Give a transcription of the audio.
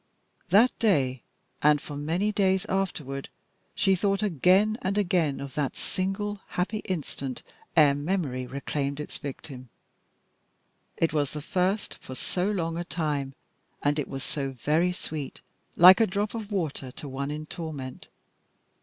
That day, and for many days afterward, she thought again and again of that single happy instant ere memory reclaimed its victim. It was the first for so long a time, and it was so very sweet, like a drop of water to one in torment.